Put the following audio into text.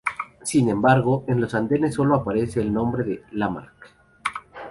Sin embargo, en los andenes, sólo aparece el nombre de "Lamarck".